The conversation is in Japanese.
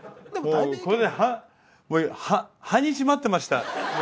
これでは半日待ってました。